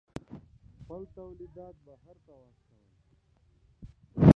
خپل تولیدات بهر ته واستوئ.